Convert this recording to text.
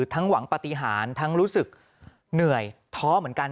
ทั้งหวังปฏิหารทั้งรู้สึกเหนื่อยท้อเหมือนกัน